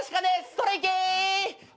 それいけ！